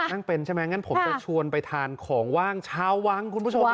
นั่งเป็นใช่ไหมงั้นผมจะชวนไปทานของว่างชาววังคุณผู้ชม